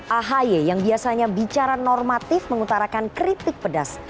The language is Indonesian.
ahy yang biasanya bicara normatif mengutarakan kritik pedas